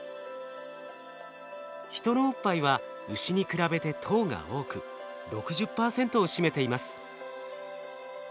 ヒトのおっぱいはウシに比べて糖が多く６０％を占めています。